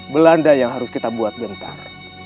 belanda yang harus kita buat bentar